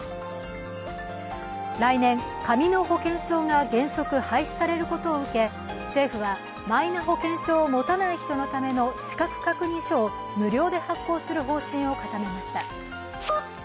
来年、紙の保険証が原則廃止されることを受け、政府はマイナ保険証を持たない人のための資格確認書を無料で発行する方針を固めました。